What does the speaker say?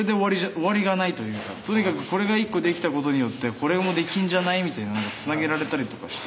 とにかくこれが一個できたことによってこれもできんじゃない？みたいにつなげられたりとかして。